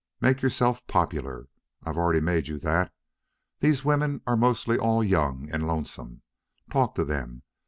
Make yourself popular. I've already made you that. These women are most all young and lonesome. Talk to them.